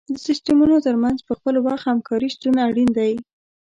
د سیستمونو تر منځ په خپل وخت همکاري شتون اړین دی.